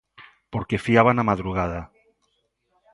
Porque fiaba na madrugada.